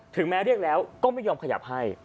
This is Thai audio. แม้เรียกแล้วก็ไม่ยอมขยับให้